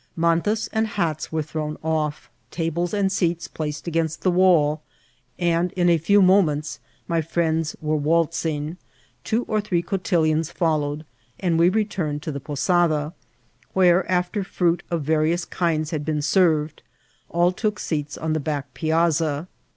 Mantas and hats were thrown off, tables and seats placed against the wall, and in a few moments my friends were waltzing; two or three cotillons followed, and we returned to the posada, where, after fruit of various kinds had been served, all took seats on the back piazza.